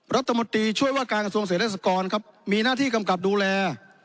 รัฐมนตรีช่วยว่าการกระทรวงเศรษฐกรครับมีหน้าที่กำกับดูแล